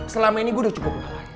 selama ini gue udah cukup